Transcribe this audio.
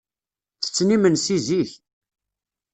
Ttetten imensi zik.